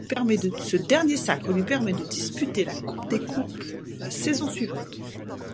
Ce dernier sacre lui permet de disputer la Coupe des coupes la saison suivante.